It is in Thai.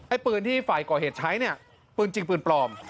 ปืนที่ฝ่ายก่อเหตุใช้เนี่ยปืนจริงปืนปลอม